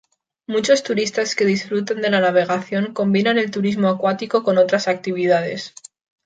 Muchos turistas que disfrutan de la navegación combinan el turismo acuático con otras actividades.